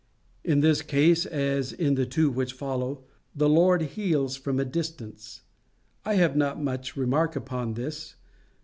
In this case, as in the two which follow, the Lord heals from a distance. I have not much to remark upon this.